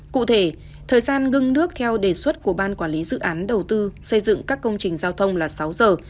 cụ thể thời gian ngưng nước theo đề xuất của ban quản lý dự án đầu tư xây dựng các công trình giao thông là sáu giờ